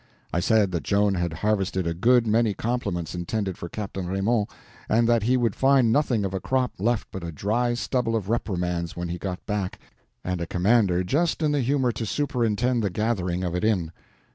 I said that Joan had harvested a good many compliments intended for Captain Raymond, and that he would find nothing of a crop left but a dry stubble of reprimands when he got back, and a commander just in the humor to superintend the gathering of it in.